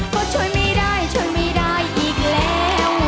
ก็ช่วยไม่ได้ช่วยไม่ได้อีกแล้ว